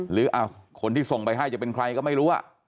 หรือคนที่ส่งไปให้จะเป็นใครก็ไม่รู้